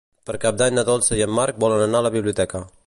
Per Cap d'Any na Dolça i en Marc volen anar a la biblioteca.